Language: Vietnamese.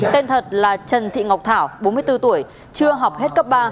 tên thật là trần thị ngọc thảo bốn mươi bốn tuổi chưa học hết cấp ba